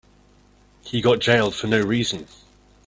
He got jailed for no reason.